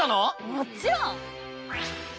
もちろん！